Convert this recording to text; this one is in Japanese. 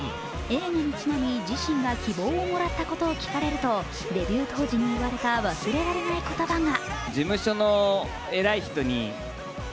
映画にちなみ自身が希望をもらったことを聞かれるとデビュー当時に言われた忘れられない言葉が。